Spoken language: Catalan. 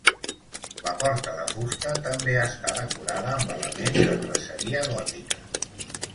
La porta de fusta també està decorada amb elements de traceria gòtica.